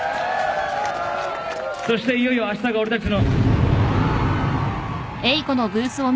そしていよいよあしたが俺たちの。